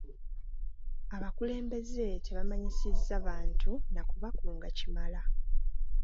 Abakulembeze tebamanyisizza bantu na ku bakunga kimala.